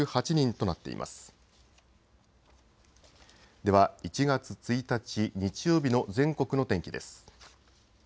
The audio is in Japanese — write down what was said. では１月１日、日曜日の全国の天気です。